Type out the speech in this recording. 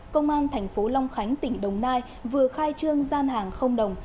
công an thành phố long khánh tỉnh đồng nai vừa khai trương gian hàng không đồng